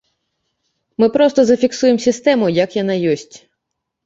Мы проста зафіксуем сістэму, як яна ёсць.